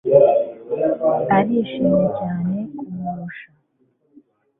arishimye cyane kumurusha